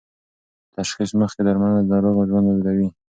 تشخیص مخکې درملنه د ناروغ ژوند اوږدوي.